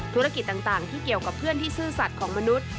ธุรกิจต่างที่เกี่ยวกับเพื่อนที่ซื่อสัตว์ของมนุษย์